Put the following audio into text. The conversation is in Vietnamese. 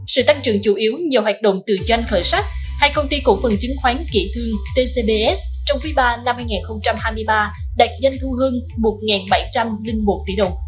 sự tăng trưởng chủ yếu nhờ hoạt động từ doanh khởi sách hay công ty cổ phần chứng khoán kỷ thư tcbs trong quý ba năm hai nghìn hai mươi ba đạt doanh thu hơn một bảy trăm linh một tỷ đồng